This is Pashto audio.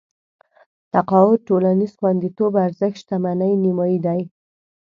تقاعد ټولنيز خونديتوب ارزښت شتمنۍ نيمايي دي.